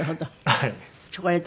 はい。